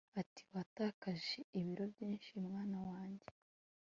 ati watakaje ibiro byinshi, mwana wanjye